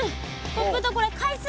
コップとこれ海水。